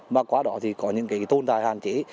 mà qua đó thì có những cái tôn tài hạn chế